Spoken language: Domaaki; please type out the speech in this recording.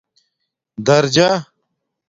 دَرجہ